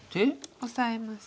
オサえます。